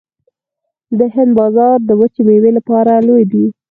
د هند بازار د وچې میوې لپاره لوی دی